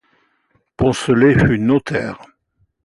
Poncelet fut notaire.